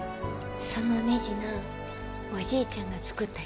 そのねじなおじいちゃんが作ったんやで。